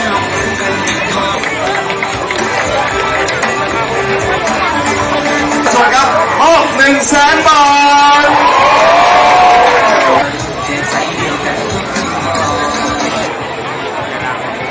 ส่วนครับมองหนึ่งแสนบาท